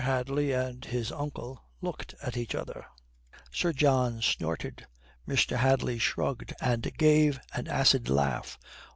Hadley and his uncle looked at each other. Sir John snorted. Mr. Hadley shrugged and gave an acid laugh.